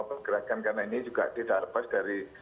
pergerakan karena ini juga didapas dari